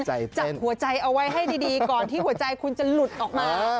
จับหัวใจเอาไว้ให้ดีก่อนที่หัวใจคุณจะหลุดออกมา